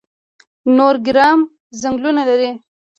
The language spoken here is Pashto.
نورګرام ځنګلونه لري؟